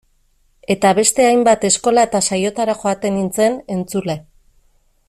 Eta beste hainbat eskola eta saiotara joaten nintzen, entzule.